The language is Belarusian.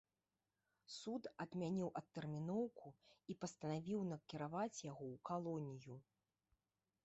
Суд адмяніў адтэрміноўку і пастанавіў накіраваць яго ў калонію.